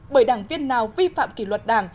bởi đảng viên nào vi phạm kỷ luật đảng